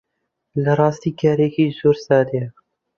لە ڕاستی کارێکی زۆر سادەیە